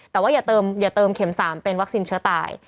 แต่ว่าอย่าเติมเข็ม๓เป็นวัคซีนเชื้อตาย